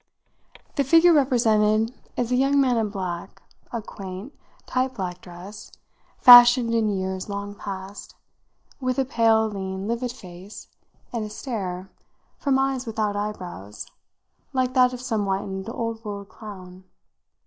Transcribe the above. The figure represented is a young man in black a quaint, tight black dress, fashioned in years long past; with a pale, lean, livid face and a stare, from eyes without eyebrows, like that of some whitened old world clown.